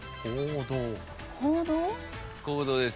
行動ですね。